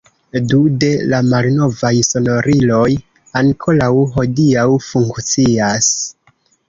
Du de la malnovaj sonoriloj ankoraŭ hodiaŭ funkcias.